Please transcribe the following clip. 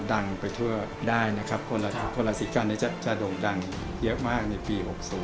ดังไปทั่วได้นะครับคนราศีกันจะโด่งดังเยอะมากในปี๖๐